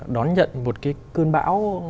đón nhận một cái cơn bão